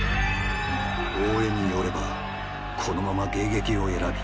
大江によればこのまま迎撃を選び